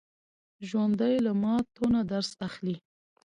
ژوندي له ماتو نه درس اخلي